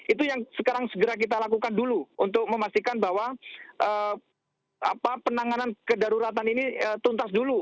itu yang sekarang segera kita lakukan dulu untuk memastikan bahwa penanganan kedaruratan ini tuntas dulu